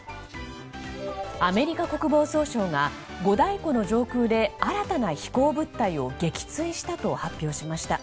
アメリカ国防総省が五大湖の上空で新たな飛行物体を撃墜したと発表しました。